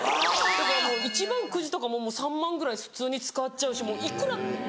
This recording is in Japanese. だから一番くじとかも３万ぐらい普通に使っちゃうしもう幾ら。